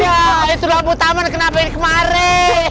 ya itu lampu taman kenapa ini kemarin